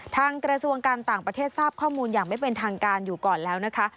กระทรวงการต่างประเทศทราบข้อมูลอย่างไม่เป็นทางการอยู่ก่อนแล้วนะคะ